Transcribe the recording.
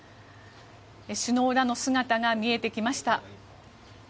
首脳らの姿が見えてきました。